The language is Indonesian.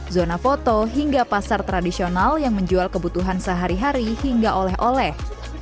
zona foto hingga pasar tradisional yang menjual kebutuhan sehari hari hingga oleh oleh